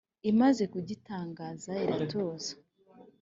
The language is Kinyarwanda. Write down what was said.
Imaze kugitangaza iratuza